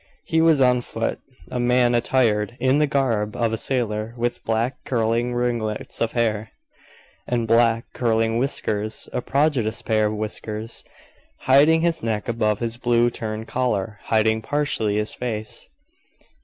He was on foot. A man attired in the garb of a sailor, with black, curling ringlets of hair, and black, curling whiskers; a prodigious pair of whiskers, hiding his neck above his blue, turned collar, hiding partially his face.